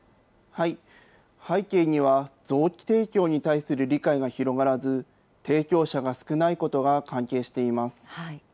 背景には、臓器提供に対する理解が広がらず、提供者が少ないことが関係しています。